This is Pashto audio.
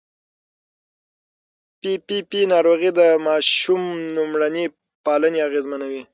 پي پي پي ناروغي د ماشوم لومړني پالنې اغېزمنوي.